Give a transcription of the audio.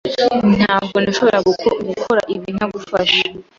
Ntabwo nashoboraga gukora ibi ntagufasha.